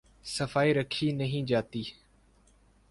صفائی رکھی نہیں جاتی۔